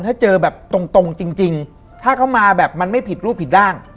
ถ้าเจอแบบตรงจริงถ้าเขามาแบบมันไม่ผิดรูปผิดร่าง